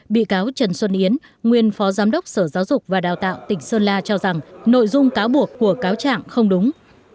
bị cáo trần xuân yến nguyên phó giám đốc sở giáo dục và đào tạo tỉnh sơn la cho rằng nội dung cáo buộc của cáo trạng không đúng